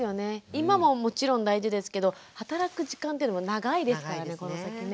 今ももちろん大事ですけど働く時間っていうのは長いですからねこの先ね。